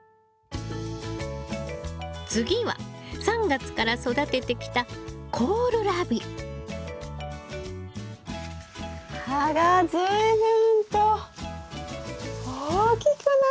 次は３月から育ててきた葉が随分と大きくなったんですよ。